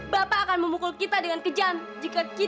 bapak akan memukul kita dengan kejam jika kita meninggal